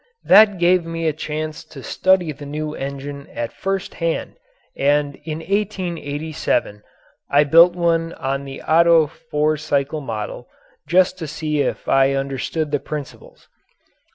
That gave me a chance to study the new engine at first hand and in 1887 I built one on the Otto four cycle model just to see if I understood the principles.